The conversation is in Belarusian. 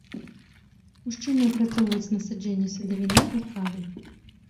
Мужчыны апрацоўваюць насаджэнні садавіны і кавы.